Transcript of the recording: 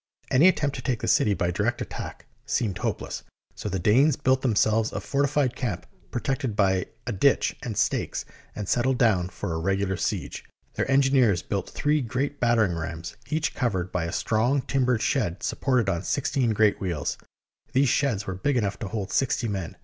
Any attempt to take the city by direct attack seemed hopeless, so the Danes built themselves a fortified camp protected by a ditch and stakes, and settled down for a regular siege. Their engineers built three great battering rams, each covered by a strong timbered shed supported on sixteen great wheels. These sheds were big enough to hold sixty men.